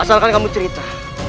asalkan kamu cerita